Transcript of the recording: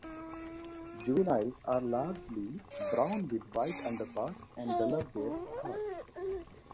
Juveniles are largely brown with white underparts and duller bare parts.